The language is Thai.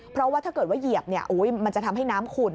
เพราะว่าถ้าเกิดว่าเหยียบมันจะทำให้น้ำขุ่น